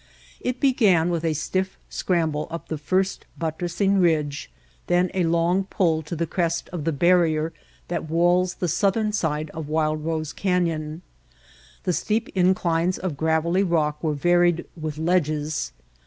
It began with a stiff scramble up the first buttressing ridge, then a long pull to the crest of the barrier that wails the southern side of Wild Rose Canyon. The steep inclines of gravelly rock were varied with ledges.